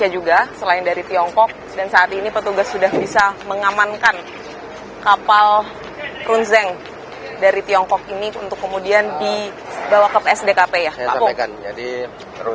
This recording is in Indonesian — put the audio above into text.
jangan lupa subscribe like komen dan share